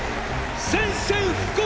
宣戦布告を！！